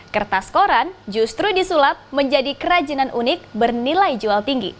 kertas koran justru disulap menjadi kerajinan unik bernilai jual tinggi